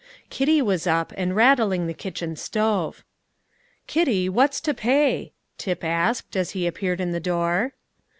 Kitty was up, and rattling the kitchen stove. "Kitty, what's to pay?" Tip asked, as he appeared in the door.